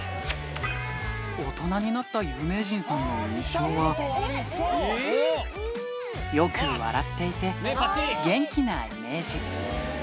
大人になった有名人さんの印象は、よく笑っていて、元気なイメージ。